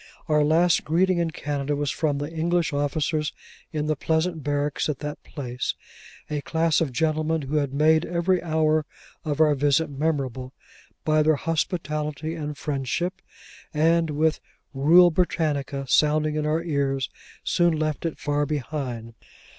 Our last greeting in Canada was from the English officers in the pleasant barracks at that place (a class of gentlemen who had made every hour of our visit memorable by their hospitality and friendship); and with 'Rule Britannia' sounding in our ears, soon left it far behind.